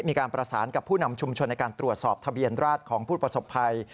มีการประสานกับผู้นำชุมชนในการตรวจสอบทะเบียนราชของผู้ประสบภัย